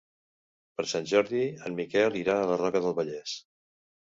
Per Sant Jordi en Miquel irà a la Roca del Vallès.